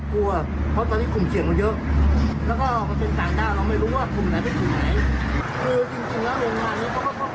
พวกแรงงานพวกนี้